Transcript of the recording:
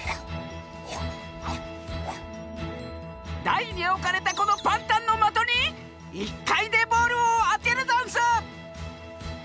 だいにおかれたこのパンタンのまとに１かいでボールをあてるざんす！